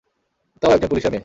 তাও একজন পুলিশের মেয়ে।